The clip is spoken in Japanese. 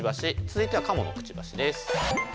続いてはカモのクチバシです。